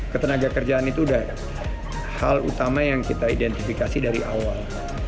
ketenaga kerjaan itu sudah hal utama yang kita identifikasi dari awal